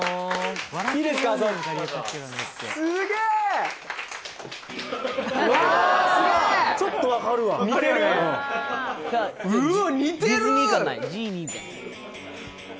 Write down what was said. すげえちょっと分かるわうわ